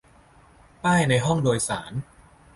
ป้ายในห้องโดยสาร